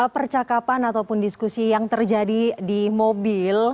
percakapan ataupun diskusi yang terjadi di mobil